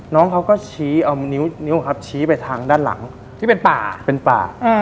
น้องเขาก็ชี้เอานิ้วครับชี้ไปทางด้านหลังที่เป็นป่าเป็นป่า